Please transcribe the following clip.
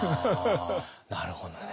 なるほどね。